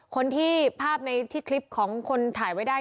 คนที่ภาพที่คลิปถ่ายเนี้ย